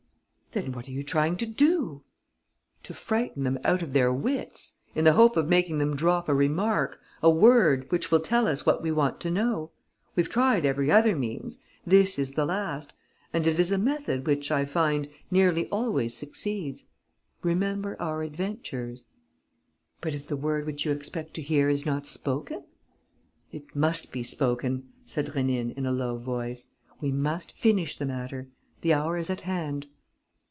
"Then what are you trying to do?" "To frighten them out of their wits, in the hope of making them drop a remark, a word, which will tell us what we want to know. We've tried every other means. This is the last; and it is a method which, I find, nearly always succeeds. Remember our adventures." "But if the word which you expect to hear is not spoken?" "It must be spoken," said Rénine, in a low voice. "We must finish the matter. The hour is at hand."